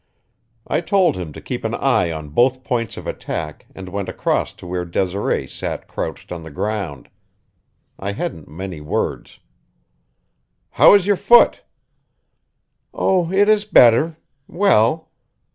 I told him to keep an eye on both points of attack and went across to where Desiree sat crouched on the ground. I hadn't many words. "How is your foot?" "Oh, it is better; well.